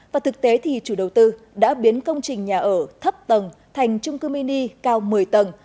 và thực tế thì chủ đầu tư đã biến công trình nhà ở thấp tầng thành trung cư mini cao một mươi tầng